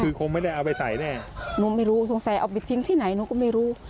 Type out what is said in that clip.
คือคงไม่ได้เอาไปใส่แน่หนูไม่รู้สงสัยเอาไปทิ้งที่ไหนหนูก็ไม่รู้